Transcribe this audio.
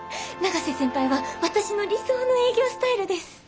永瀬先輩は私の理想の営業スタイルです。